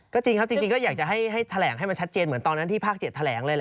ก็จริงครับจริงก็อยากจะให้แถลงให้มันชัดเจนเหมือนตอนนั้นที่ภาค๗แถลงเลยแหละ